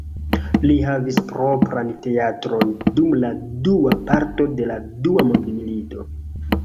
Li havis propran teatron dum la dua parto de la dua mondmilito.